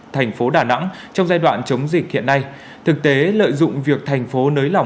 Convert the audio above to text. thành phố đà nẵng trong giai đoạn chống dịch hiện nay thực tế lợi dụng việc thành phố nới lỏng